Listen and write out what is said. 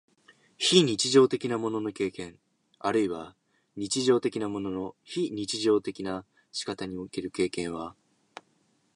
非日常的なものの経験あるいは日常的なものの非日常的な仕方における経験は、